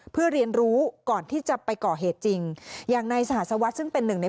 เพื่อเรียนรู้ก่อนที่จะไปก่อเหตุจริงอย่างในสหสวัสดิ์ซึ่งเป็นหนึ่งใน